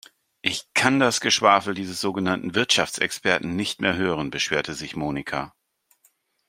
Ich kann das Geschwafel dieses sogenannten Wirtschaftsexperten nicht mehr hören, beschwerte sich Monika.